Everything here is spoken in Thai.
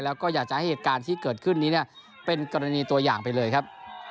แล้วก็อยากจะให้เหตุการณ์ที่เกิดขึ้นนี้เนี่ยเป็นกรณีตัวอย่างไปเลยครับ